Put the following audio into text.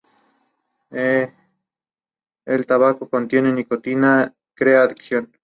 Ha estado destinado en las representaciones diplomáticas españolas en Australia, Brasil, Marruecos y Filipinas.